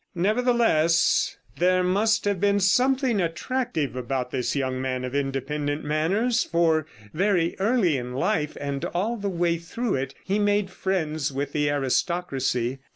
Nevertheless, there must have been something attractive about this young man of independent manners, for very early in life, and all the way through it, he made friends with the aristocracy.